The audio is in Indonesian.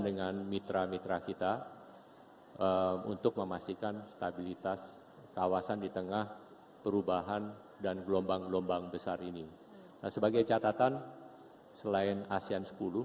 dan kompleksitasnya tinggi sekali ya